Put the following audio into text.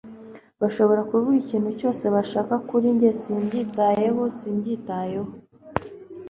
Bashobora kuvuga ikintu cyose bashaka kuri njye simbyitayeho simbyitayeho